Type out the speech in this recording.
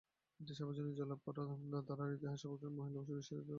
এ প্রতিযোগিতা জয়লাভের ফলে দাবার ইতিহাসে সর্বকনিষ্ঠ মহিলা বিশ্ব দাবা চ্যাম্পিয়ন হন।